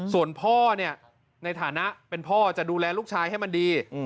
ส่วนพ่อเนี่ยในฐานะเป็นพ่อจะดูแลลูกชายให้มันดี